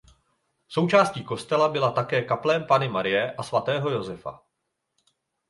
Součástí kostela byla také kaple Panny Marie a svatého Josefa.